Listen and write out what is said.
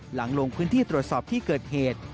ลงพื้นที่ตรวจสอบที่เกิดเหตุ